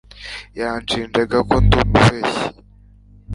yanshinjaga ko ndi umubeshyi